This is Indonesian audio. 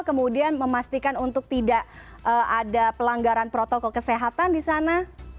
kemudian memastikan untuk tidak ada pelanggaran protokol kesehatan di sana